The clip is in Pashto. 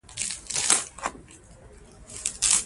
بڼ وال په رڼه سهار کي خپلې مڼې او هندواڼې واڼه ته راوړې